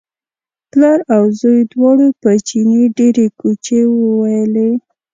پلار او زوی دواړو په چیني ډېرې کوچې وویلې.